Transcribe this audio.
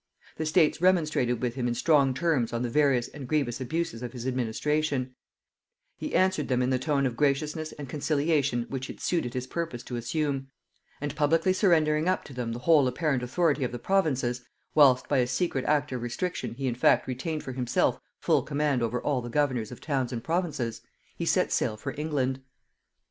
The States remonstrated with him in strong terms on the various and grievous abuses of his administration; he answered them in the tone of graciousness and conciliation which it suited his purpose to assume; and publicly surrendering up to them the whole apparent authority of the provinces, whilst by a secret act of restriction he in fact retained for himself full command over all the governors of towns and provinces, he set sail for England.